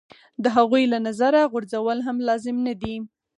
د هغوی له نظره غورځول هم لازم نه دي.